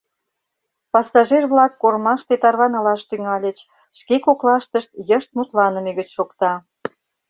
Пассажир-влак кормаште тарванылаш тӱҥальыч, шке коклаштышт йышт мутланыме гыч шокта.